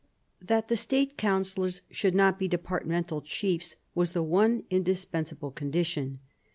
That the State Councillors should not be departmental chiefs, was the one indispensable condition.